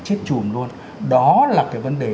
chết chùm luôn đó là cái vấn đề